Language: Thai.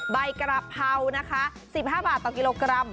ใบกระเพรานะคะ๑๕บาทต่อกิโลกรัม